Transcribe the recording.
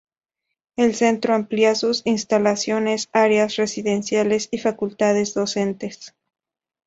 El centro amplía sus instalaciones, áreas residenciales y facultades docentes.